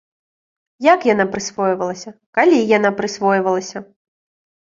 Як яна прысвойвалася, калі яна прысвойвалася!?